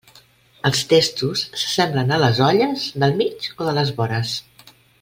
Els testos s'assemblen a les olles, del mig o de les vores.